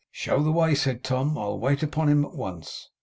'Show the way,' said Tom. 'I'll wait upon him at once.